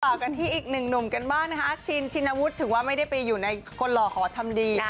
ต่อกันที่อีกหนึ่งหนุ่มกันบ้างนะคะชินชินวุฒิถือว่าไม่ได้ไปอยู่ในคนหล่อขอทำดี